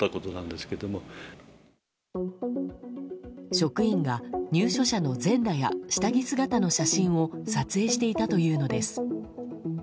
職員が入所者の全裸や下着姿の写真を撮影していたというのです。